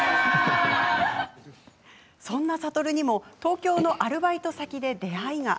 そんな諭にも東京のアルバイト先で出会いが。